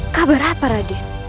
kabar apa raden